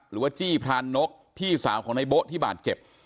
หรือว่าจี้พรานนกพี่สาวของในโบ๊ะที่บาดเจ็บ